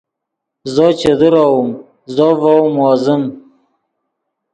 زو چے درؤم زو ڤؤ موزیم